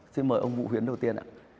xin mời ông vũ huyến đầu tiên